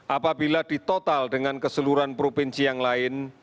apabila ditotal dengan keseluruhan provinsi yang lain